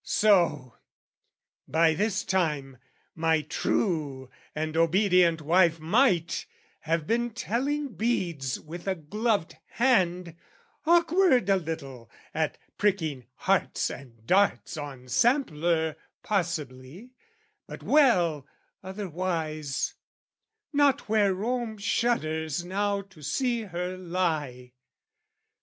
So, by this time, my true and obedient wife Might have been telling beads with a gloved hand; Awkward a little at pricking hearts and darts On sampler possibly, but well otherwise: Not where Rome shudders now to see her lie.